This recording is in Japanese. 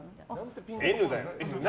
Ｎだよ。